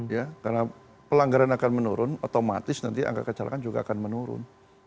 ya karena pelanggaran akan menurun otomatis nanti angka kecelakaan juga akan menurun